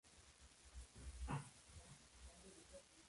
Actualmente el distrito está representado por el Demócrata Vincente González.